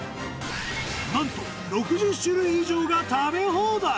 なんと６０種類以上が食べ放題。